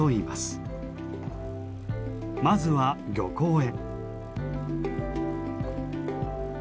まずは漁港へ。